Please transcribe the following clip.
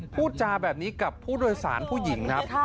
พูดจาแบบนี้กับผู้โดยสารผู้หญิงครับ